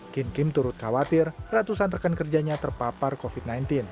kim kim turut khawatir ratusan rekan kerjanya terpapar covid sembilan belas